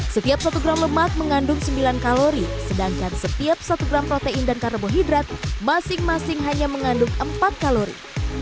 setiap satu gram lemak mengandung sembilan kalori sedangkan setiap satu gram protein dan karbohidrat masing masing hanya mengandung empat kalori